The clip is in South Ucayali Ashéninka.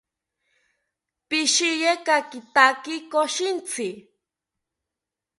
Pishiya kakitaki koshintzi